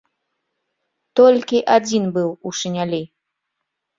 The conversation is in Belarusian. Толькі адзін быў у шынялі.